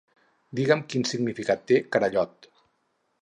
Digue'm quin significat té carallot.